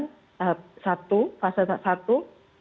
dan kemudian kita mulai mengurus perizinan dan kemudian mulai melakukan